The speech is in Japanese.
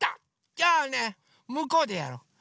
じゃあねむこうでやろう！